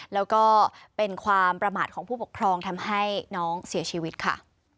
แล้วก็เป็นความประมาทของผู้ปกครองทำให้น้องเสียชีวิตค่ะ